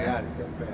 iya di tempel